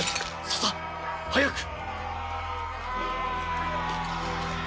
ささっ早く！